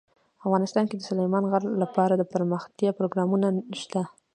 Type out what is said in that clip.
افغانستان کې د سلیمان غر لپاره دپرمختیا پروګرامونه شته.